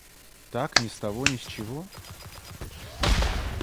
Так ни с того ни с чего?